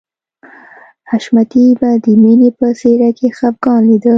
حشمتي به د مینې په څېره کې خفګان لیده